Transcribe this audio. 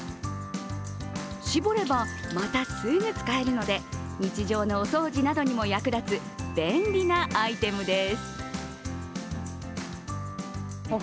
絞ればまたすぐ使えるので日常のお掃除などにも役立つ便利なアイテムです。